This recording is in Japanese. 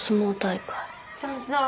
そうそう。